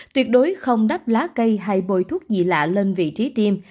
tuyệt đối không đắp lá cây hay bồi thuốc gì lạ lên vị trí tiêm